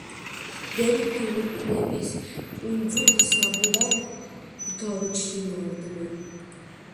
დები ფილიპინების კუნძულ საბოდან გაუჩინარდნენ.